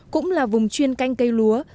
cũng là vùng chuyên canh cây lúa